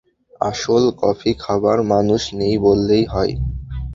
আসল কফি খাবার মানুষ নেই বললেই হয়।